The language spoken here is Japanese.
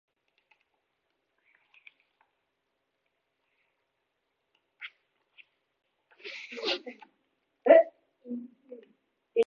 バルセロナ県の県都はバルセロナである